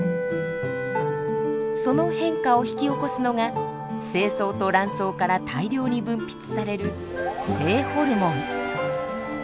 その変化を引き起こすのが精巣と卵巣から大量に分泌される性ホルモン。